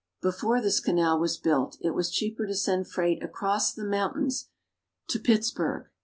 Before this canal was built, it was cheaper to send freight across the mountains to Pittsburg.